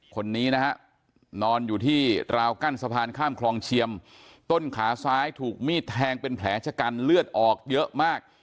คนนี้นะฮะนอนอยู่ที่ราวกั้นสะพานข้ามคลองเชียมต้นขาซ้ายถูกมีดแทงเป็นแผลชะกันเลือดออกเยอะมาก